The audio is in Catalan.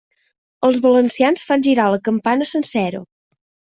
Els valencians fan girar la campana sencera.